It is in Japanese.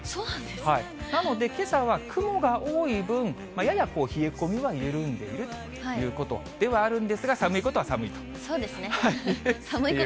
なので、けさは雲が多い分、やや冷え込みは緩んでいるということではあるんですが、そうですね。